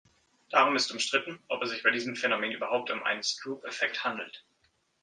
Darum ist umstritten, ob es sich bei diesem Phänomen überhaupt um einen Stroop-Effekt handelt.